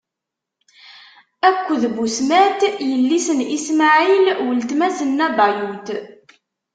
Akked Busmat, yelli-s n Ismaɛil, weltma-s n Nabayut.